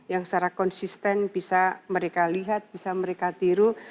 yang secara konsisten bisa mereka lihat bisa mereka tiru